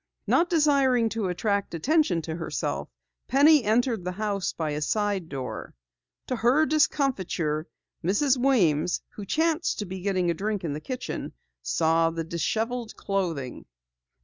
Not desiring to attract attention to herself, Penny entered the house by a side door. To her discomfiture, Mrs. Weems, who chanced to be getting a drink in the kitchen, saw the disheveled clothing.